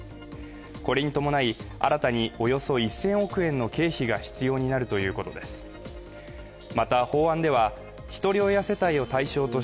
これに伴い、新たにおよそ１０００億円の経費が必要になるということです。